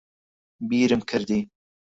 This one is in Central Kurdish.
بیرم کردی